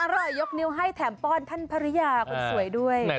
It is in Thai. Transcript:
ยกนิ้วให้แถมป้อนท่านภรรยาคนสวยด้วย